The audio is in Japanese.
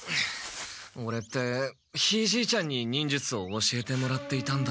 オレってひいじいちゃんに忍術を教えてもらっていたんだ。